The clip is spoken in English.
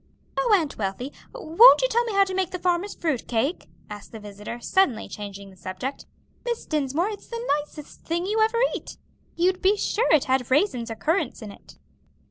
"Oh, Aunt Wealthy, won't you tell me how you make that Farmer's fruit cake?" asked the visitor, suddenly changing the subject. "Miss Dinsmore, it's the nicest thing you ever eat. You'd be sure it had raisins or currants in it."